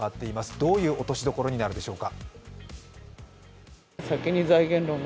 どういう落としどころになるでしょうか？